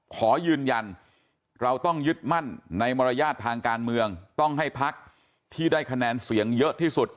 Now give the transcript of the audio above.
ขอยืนยันเราต้องยึดมั่นในมารยาททางการเมืองต้องให้พักที่ได้คะแนนเสียงเยอะที่สุด